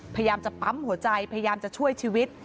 พยายามจะปั๊มหัวใจพยายามจะช่วยชีวิต